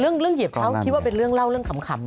เรื่องเหยียบเท้าคิดว่าเป็นเรื่องเล่าเรื่องขำนะ